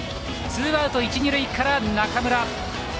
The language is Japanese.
ツーアウト一塁二塁から中村。